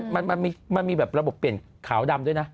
มันมีแบบระบบเปลี่ยนขาวดำด้วยนะ